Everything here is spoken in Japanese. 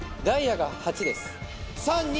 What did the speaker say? ダイヤが８です